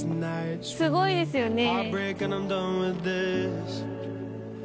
すごいですよね。